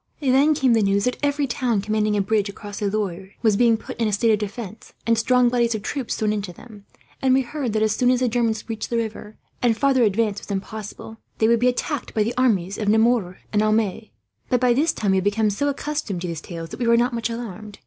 Then came the news that every town commanding a bridge across the Loire was being put in a state of defence, and strong bodies of troops thrown into them; and we heard that, as soon as the Germans reached the river, and farther advance was impossible, they would be attacked by the armies of Nemours and Aumale. But by this time we had become so accustomed to these tales that we were not much alarmed.